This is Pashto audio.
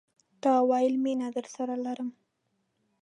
تا ويل، میینه درسره لرم